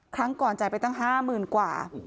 ครั้งก่อนใจไปตั้ง๕หมื่นกว่า